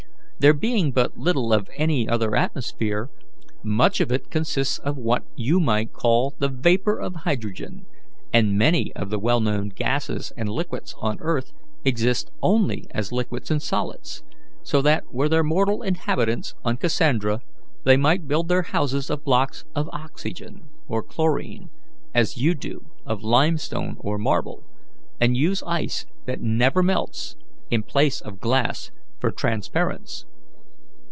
There being but little of any other atmosphere, much of it consists of what you might call the vapour of hydrogen, and many of the well known gases and liquids on earth exist only as liquids and solids; so that, were there mortal inhabitants on Cassandra, they might build their houses of blocks of oxygen or chlorine, as you do of limestone or marble, and use ice that never melts, in place of glass, for transparence.